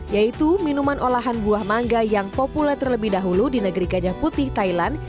yaitu minuman olahan buah mangga yang populer terlebih dahulu di negeri gajah putih thailand